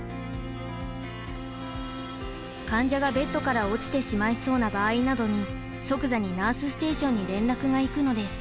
患者がベッドから落ちてしまいそうな場合などに即座にナースステーションに連絡がいくのです。